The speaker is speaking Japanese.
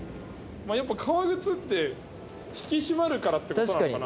やっぱ革靴って引き締まるからって事なのかな？